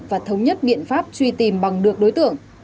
và thống nhất biện pháp truy tìm bằng được đối tượng